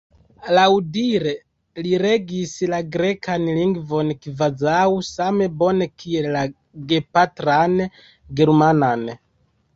Laŭdire li regis la grekan lingvon kvazaŭ same bone kiel la gepatran germanan.